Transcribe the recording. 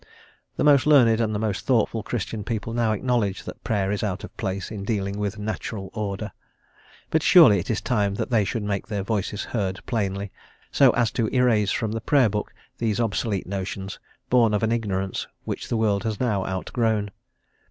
The most learned and the most thoughtful Christian people now acknowledge that prayer is out of place in dealing with "natural order;" but surely it is time that they should make their voices heard plainly, so as to erase from the Prayer book these obsolete notions, born of an ignorance which the world has now outgrown.